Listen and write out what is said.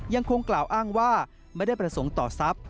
ยังคงกล่าวอ้างว่าไม่ได้ประสงค์ต่อทรัพย์